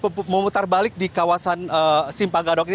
karena puncak memutar balik di kawasan simpanggadok ini